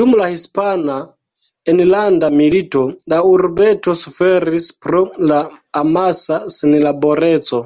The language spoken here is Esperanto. Dum la Hispana enlanda milito, la urbeto suferis pro la amasa senlaboreco.